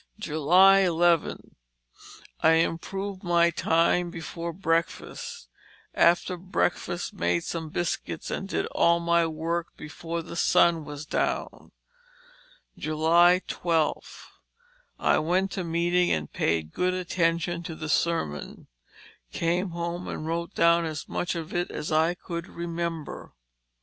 " 11. I improved my time before breakfast; after breakfast made some biscuits and did all my work before the sun was down. " 12. I went to meeting and paid good attention to the sermon, came home and wrote down as much of it as I could remember.